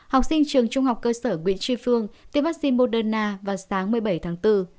học sinh trường trung học cơ sở nguyễn tri phương tây moderna vào sáng một mươi bảy tháng bốn